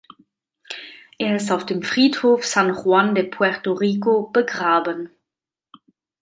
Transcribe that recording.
Er ist auf dem Friedhof San Juan de Puerto Rico begraben.